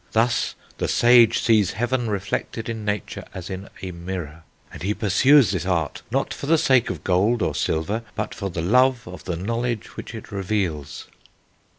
Thus the sage sees heaven reflected in Nature as in a mirror, and he pursues this Art, not for the sake of gold or silver, but for the love of the knowledge which it reveals."